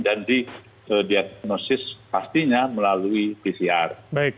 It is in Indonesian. dan di diagnosis pastinya melalui pcr